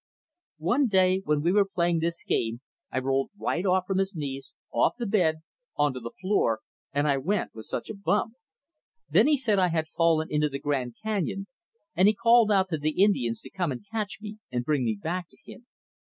One day when we were playing this game I rolled right off from his knees, off the bed, onto the floor; and I went with such a bump! Then he said I had fallen into the Grand Canyon, and he called out to the Indians to come and catch me and bring me back to him.